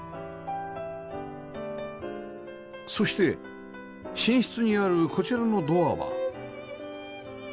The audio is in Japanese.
そして寝室にあるこちらのドアは